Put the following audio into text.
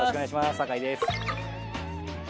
酒井です。